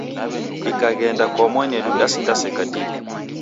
Dikaghenda kwa mwanedu dasindaseka dii.